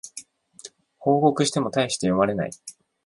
報告してもたいして読まれない